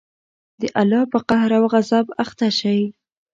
د الله په قهر او غصب اخته شئ.